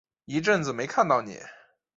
一阵子没看到妳